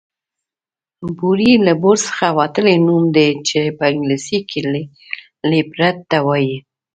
بوری له بور څخه وتلی نوم دی چې په انګليسي کې ليپرډ ته وايي